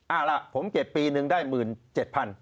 เอาล่ะผมเก็บปีนึงได้๑๗๐๐บาท